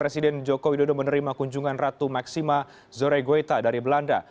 presiden joko widodo menerima kunjungan ratu maksima zoregoita dari belanda